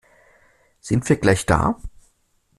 Sind wir gleich da?